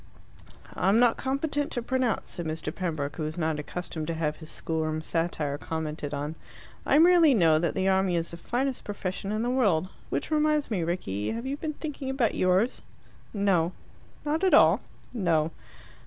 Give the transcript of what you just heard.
"I am not competent to pronounce," said Mr. Pembroke, who was not accustomed to have his schoolroom satire commented on. "I merely know that the army is the finest profession in the world. Which reminds me, Rickie have you been thinking about yours?" "No." "Not at all?" "No."